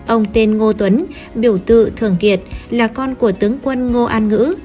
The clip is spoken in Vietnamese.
ông tên ngô tuấn biểu tự thường kiệt là con của tướng quân ngô an ngữ